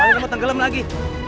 baliknya mau tenggelam lagi